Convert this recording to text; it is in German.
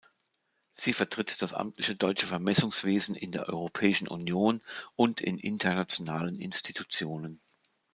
Sie vertritt das amtliche deutsche Vermessungswesen in der Europäischen Union und in internationalen Institutionen.